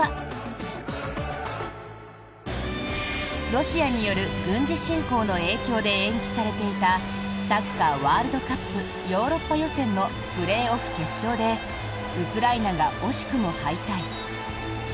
ロシアによる軍事侵攻の影響で延期されていたサッカーワールドカップヨーロッパ予選のプレーオフ決勝でウクライナが惜しくも敗退。